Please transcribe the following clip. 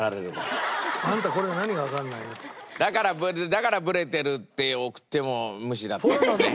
だから「ブレてる」って送っても無視だったんですね。